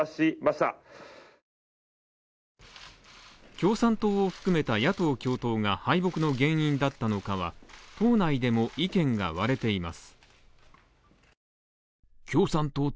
共産党を含めた野党共闘が、敗北の原因だったのかは党内でも意見が割れています。